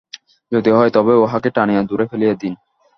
যদি হয়, তবে উহাকে টানিয়া দূরে ফেলিয়া দিন।